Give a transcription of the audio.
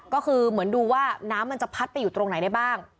ก็คือเหมือนดูว่าน้ำมันจะพัดไปอยู่ตรงไหนได้บ้าง